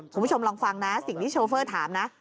คุณผู้ชมลองฟังนะสิ่งที่โชเฟอร์ถามนะ